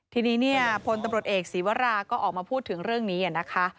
ทีนี้เนี่ยพลตำรวจเอกศีวราก็ออกมาพูดถึงเรื่องนี้นะคะ